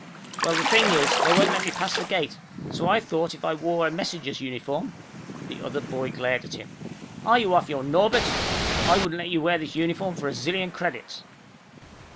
"Well, the thing is, they won't let me past the gate. So I thought that if I wore a messenger's uniform " The other boy glared at him. "Are you off your Norbert? I wouldn't let you wear this uniform for a zillion credits."